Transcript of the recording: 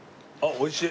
おいしい？